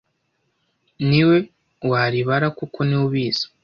niwe waribara kuko niwe ubizi